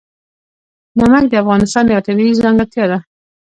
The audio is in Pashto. نمک د افغانستان یوه طبیعي ځانګړتیا ده.